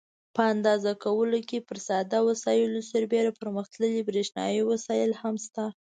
په اندازه کولو کې پر ساده وسایلو سربېره پرمختللي برېښنایي وسایل هم شته.